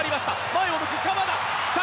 前を向く、鎌田！